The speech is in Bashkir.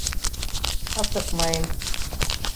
Асыҡмайым.